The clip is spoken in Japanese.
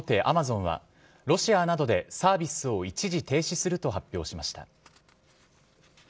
アマゾンはロシアなどでサービスを一時停止すると発表しました。